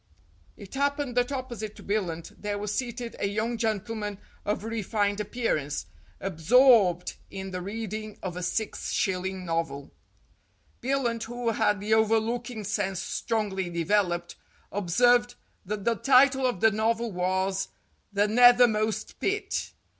It happened that opposite to Billunt there was seated a young gentleman of refined appearance, absorbed in 184 STORIES WITHOUT TEARS the reading of a six shilling novel. Billunt, who had the overlooking sense strongly developed, observed that the title of the novel was "The Nethermost Pit."